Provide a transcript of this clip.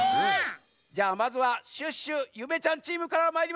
じゃあまずはシュッシュゆめちゃんチームからまいりましょうか。